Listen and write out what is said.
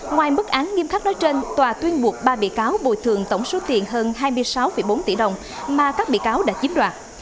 ngoài mức án nghiêm khắc đối trên tòa tuyên buộc ba bị cáo bồi thường tổng số tiền hơn hai mươi sáu bốn tỷ đồng mà các bị cáo đã chiếm đoạt